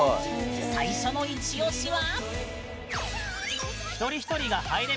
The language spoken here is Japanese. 最初のイチ推しは。